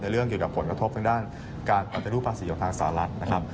เรื่องเกี่ยวกับผลกระทบทางด้านการปฏิรูปภาษีของทางสหรัฐนะครับ